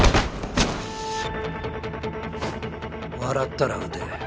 笑ったら撃て。